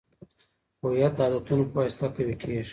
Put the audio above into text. هویت د عادتونو په واسطه قوي کیږي.